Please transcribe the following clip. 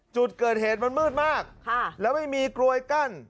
จุดเกิดเหตุมันมืดมากแล้วไม่มีกลวยกั้น